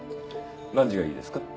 何時がいいですか？